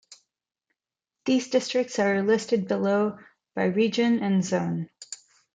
These districts are listed below, by region and zone.